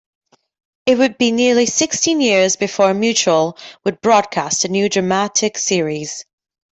It would be nearly sixteen years before Mutual would broadcast a new dramatic series.